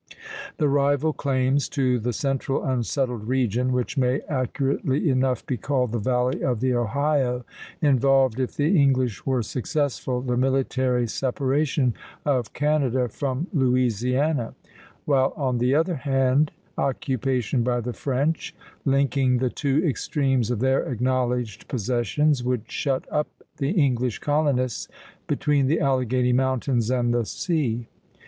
The rival claims to the central unsettled region, which may accurately enough be called the valley of the Ohio, involved, if the English were successful, the military separation of Canada from Louisiana; while on the other hand, occupation by the French, linking the two extremes of their acknowledged possessions, would shut up the English colonists between the Alleghany Mountains and the sea.